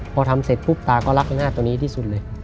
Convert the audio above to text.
พอทำเสร็จปุ๊บตาก็รักหน้าตัวนี้ที่สุดเลย